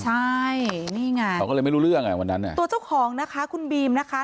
ใช่นี่ไงเขาก็เลยไม่รู้เรื่องอ่ะวันนั้นอ่ะตัวเจ้าของนะคะคุณบีมนะคะ